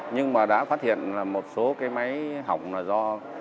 nhưng mà đã phát hiện là một số cái máy hỏng là do